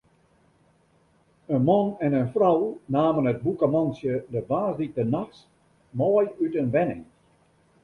In man en in frou namen it bûkemantsje de woansdeitenachts mei út in wenning.